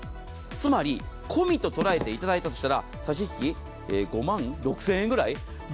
つまり込みと捉えていただいたとしたら差し引き５万６０００円ぐらい。